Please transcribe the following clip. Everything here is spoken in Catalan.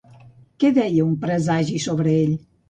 Què deia un presagi sobre ell?